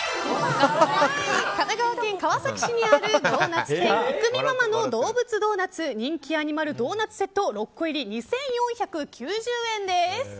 神奈川県川崎市にあるイクミママのどうぶつドーナツ人気アニマルドーナツセット６個入り、２４９０円です。